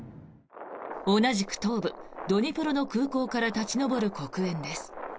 同じく東部ドニプロの空港から立ち上る黒煙です。